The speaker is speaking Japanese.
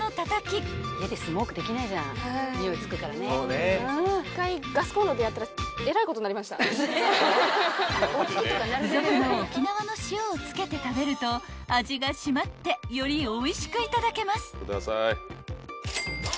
［付属の沖縄の塩をつけて食べると味が締まってよりおいしくいただけます］